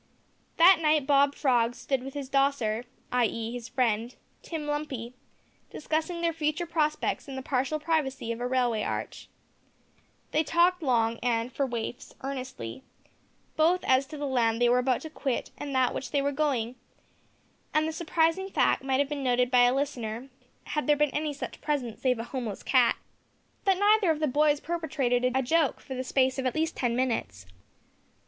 That night Bob Frog stood with his dosser, (i.e. his friend), Tim Lumpy, discussing their future prospects in the partial privacy of a railway arch. They talked long, and, for waifs, earnestly both as to the land they were about to quit and that to which they were going; and the surprising fact might have been noted by a listener had there been any such present, save a homeless cat that neither of the boys perpetrated a joke for the space of at least ten minutes.